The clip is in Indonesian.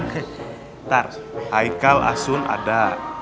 bentar aikal asun ada